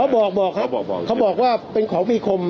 บอกบอกครับเขาบอกว่าเป็นของมีคม